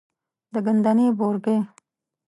د ګندنې بورګی،